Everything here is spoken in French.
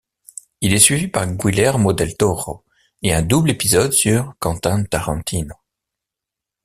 Il est suivi par Guillermo del Toro et un double épisode sur Quentin Tarantino.